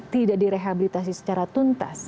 tidak direhabilitasi secara tuntas